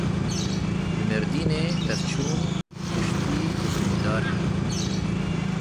Li Mêrdînê pevçûn: Kuştî û birîndar hene.